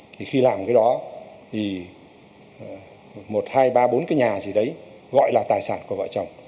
thì khi làm cái đó thì một hai ba bốn cái nhà gì đấy gọi là tài sản của vợ chồng